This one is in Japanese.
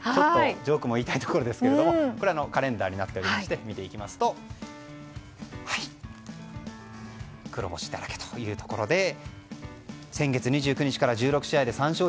ジョークも言いたいところですがこれカレンダーになっていて見ていきますと黒星だらけというところで先月２９日から１６試合で３勝１３敗。